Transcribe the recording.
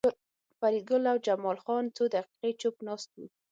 فریدګل او جمال خان څو دقیقې چوپ ناست وو